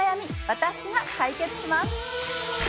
私が解決します